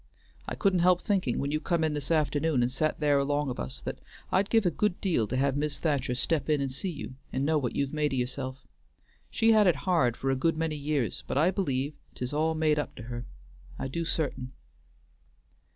I couldn't help thinking when you come in this afternoon and sat there along of us, that I'd give a good deal to have Mis' Thacher step in and see you and know what you've made o' yourself. She had it hard for a good many years, but I believe 't is all made up to her; I do certain."